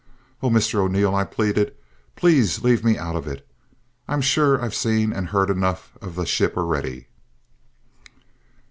"Oh, Mr O'Neil," I pleaded, "please leave me out of it. I'm sure I've seen and heard enough of the ship already!"